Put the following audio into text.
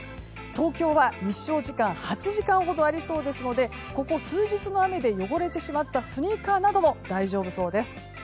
東京は日照時間８時間ほどありそうですのでここ数日の雨で汚れてしっまったスニーカーなども大丈夫そうです。